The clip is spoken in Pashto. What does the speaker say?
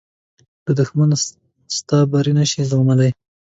دښمن ستا بری نه شي زغملی